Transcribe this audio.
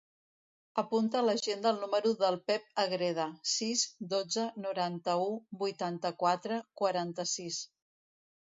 Apunta a l'agenda el número del Pep Agreda: sis, dotze, noranta-u, vuitanta-quatre, quaranta-sis.